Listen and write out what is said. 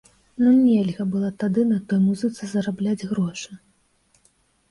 Ну, нельга было тады на той музыцы зарабляць грошы.